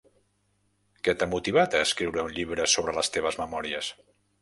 Que t'ha motivat a escriure un llibre sobre les teves memòries?